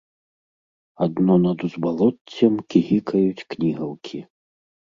Адно над узбалоццем кігікаюць кнігаўкі.